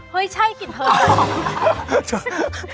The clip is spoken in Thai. เฮ้ยใช่กลิ่นเธอเลย